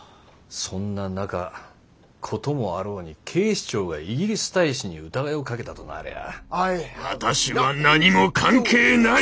そんな中事もあろうに警視庁がイギリス大使に疑いをかけたとなりゃあ。